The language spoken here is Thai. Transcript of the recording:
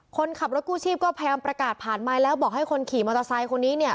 คนขับรถกู้ชีพก็พยายามประกาศผ่านไมค์แล้วบอกให้คนขี่มอเตอร์ไซค์คนนี้เนี่ย